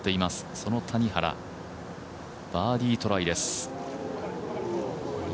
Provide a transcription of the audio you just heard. その谷原、バーディートライです。